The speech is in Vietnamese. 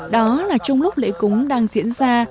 đó là trong lúc lễ cúng đang diễn ra